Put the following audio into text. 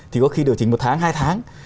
thì có khi điều chỉnh một tháng hai tháng